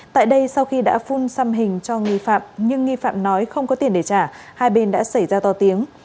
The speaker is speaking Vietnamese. tại đây sau khi đã phun xăm hình cho nghi phạm nhưng nghi phạm nói không có tiền để trả hai bên đã xảy ra to tiếng